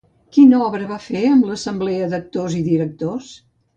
Quina obra va fer amb l'Assemblea d'Actors i directors?